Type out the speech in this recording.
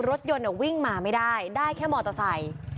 รถยนต์วิ่งมาไม่ได้ได้แค่มอเตอร์ไซค์